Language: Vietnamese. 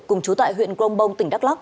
cùng chú tại huyện công bông tỉnh đắk lắc